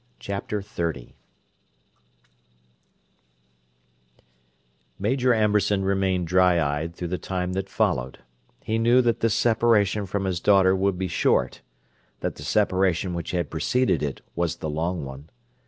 Chapter XXX Major Amberson remained dry eyed through the time that followed: he knew that this separation from his daughter would be short, that the separation which had preceded it was the long one.